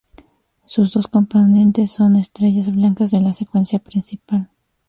Sus dos componentes son estrellas blancas de la secuencia principal.